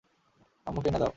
আম্মুকে এনে দাও!